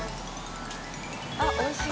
あっおいしい